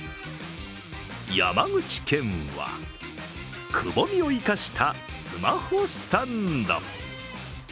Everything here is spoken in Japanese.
山口県は、くぼみを生かしたスマホスタンド。